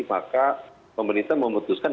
maka pemerintah memutuskan